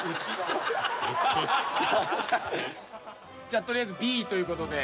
じゃあとりあえずＢという事で。